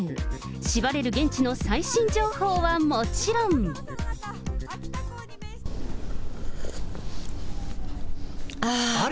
しばれる現地の最新情報はもちろん。あり！